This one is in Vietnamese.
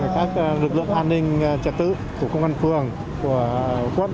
các lực lượng an ninh trạc tự của công an phường của quốc